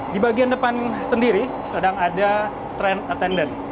di bagian depan sendiri sedang ada tren attendant